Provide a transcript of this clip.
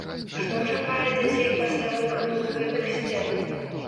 Што чакае дзяцей пасля выхаду з гэтых сцен?